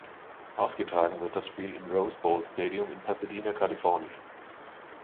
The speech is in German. Ausgetragen wird das Spiel im Rose Bowl Stadium in Pasadena, Kalifornien.